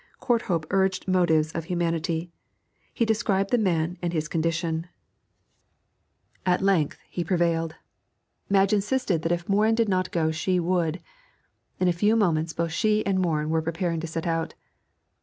Courthope urged motives of humanity. He described the man and his condition. At length he prevailed. Madge insisted that if Morin did not go she would. In a few moments both she and Morin were preparing to set out.